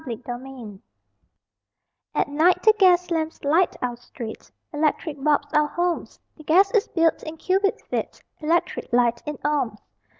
LIGHT VERSE At night the gas lamps light our street, Electric bulbs our homes; The gas is billed in cubic feet, Electric light in ohms.